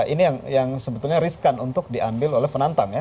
ini yang sebetulnya riskan untuk diambil oleh penantang ya